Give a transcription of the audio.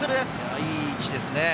いい位置ですね。